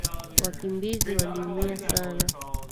Wakimbizi waliumia sana